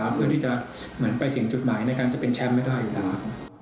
เพื่อที่จะเหมือนไปถึงจุดหมายในการจะเป็นแชมป์ไม่ได้อยู่แล้ว